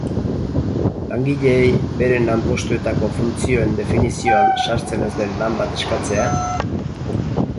Langileei beren lanpostuetako funtzioen definizioan sartzen ez den lan bat eskatzea?